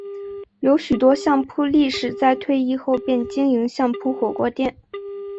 有许多相扑力士在退役后便经营相扑火锅店。